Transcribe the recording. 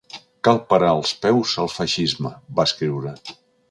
Cal parar els peus al feixisme!, va escriure.